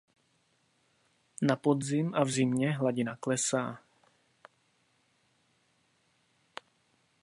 Na podzim a v zimě hladina klesá.